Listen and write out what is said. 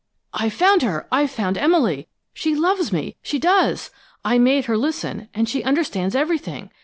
"I've found her! I've found Emily! She loves me! She does! I made her listen, and she understands everything!